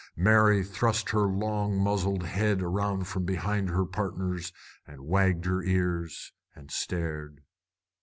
Mary thrust her long muzzled head around from behind her partners, and wagged her ears, and stared.